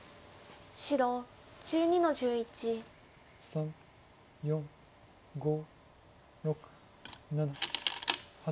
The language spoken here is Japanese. ３４５６７８。